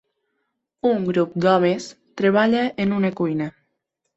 Un grup d'homes treballa en una cuina.